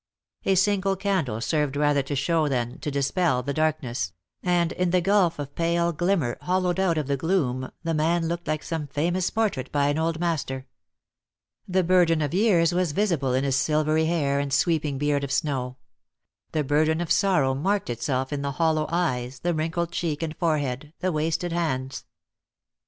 A single candle served rather to show than to dispel the darkness; and in the gulf of pale glimmer hollowed out of the gloom the man looked like some famous portrait by an old master. The burden of years was visible in his silvery hair and sweeping beard of snow; the burden of sorrow marked itself in the hollow eyes, the wrinkled cheek and forehead, the wasted hands.